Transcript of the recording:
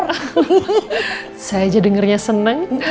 hehehe saya aja dengernya seneng